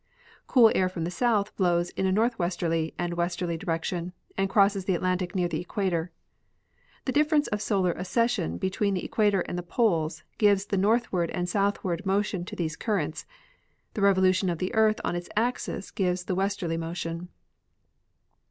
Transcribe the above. Cool air from the south blows in a northwesterly and westerly direction, and crosses the Atlantic near the equator. The difference of solar accession between the equator and the poles gives the northward and southward mo tion to these currents; the revolution of the earth on its axis gives the westerly motion.